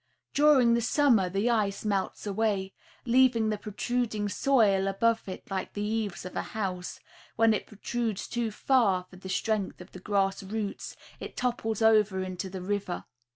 During the summer the ice melts away, leaving the protruding soil above it like the eaves of a house; when it protrudes too far for the strength of the grass roots, it topples over into the river.